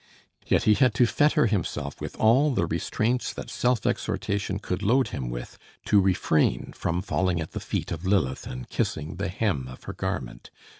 Yet he had to fetter himself with all the restraints that self exhortation could load him with, to refrain from falling at the feet of Lilith and kissing the hem of her garment.